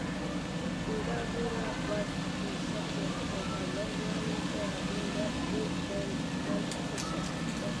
Ibadulla was the subject of a long-running error in the "Wisden" records section.